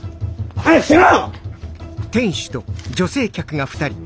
早くしろ！